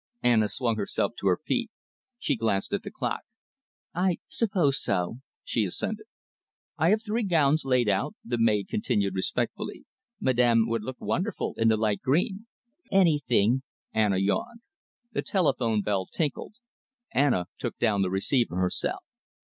Anna swung herself to her feet. She glanced at the clock. "I suppose so," she assented. "I have three gowns laid out," the maid continued respectfully. "Madame would look wonderful in the light green." "Anything," Anna yawned. The telephone bell tinkled. Anna took down the receiver herself.